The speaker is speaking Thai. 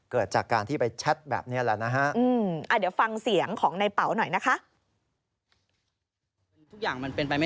เกิดจากการที่ไปแชทแบบนี้แหละนะฮะ